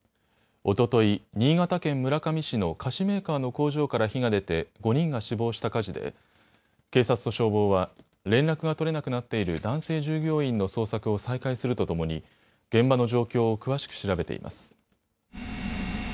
おととい、新潟県村上市の菓子メーカーの工場から火が出て５人が死亡した火事で警察と消防は連絡が取れなくなっている男性従業員の捜索を再開するとともに現場の状況を詳しく調べています。